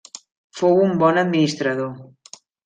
Fou un bon administrador.